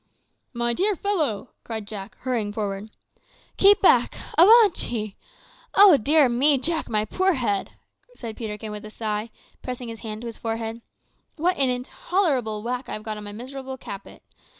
"My dear fellow!" cried Jack, hurrying forward. "Keep back! avaunt ye. Oh dear me, Jack, my poor head!" said Peterkin with a sigh, pressing his hand to his forehead; "what an intolerable whack I have got on my miserable caput.